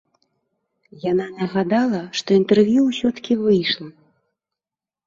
Яна нагадала, што інтэрв'ю ўсё-ткі выйшла.